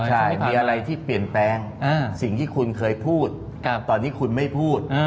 ใช่มีอะไรที่เปลี่ยนแปลงสิ่งที่คุณเคยพูดตอนนี้คุณไม่พูด